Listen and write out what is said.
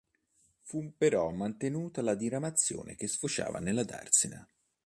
Fu però mantenuta la diramazione che sfociava nella Darsena.